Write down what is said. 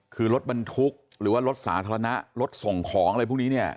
คือรถบรรทุกหรือว่ารถสาธารณะรถส่งของอะไรพวกนี้เนี่ย